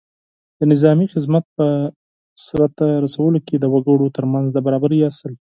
د نظامي خدمت په سرته رسولو کې د وګړو تر منځ د برابرۍ اصل